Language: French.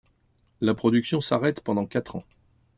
La production s'arrête pendant quatre ans.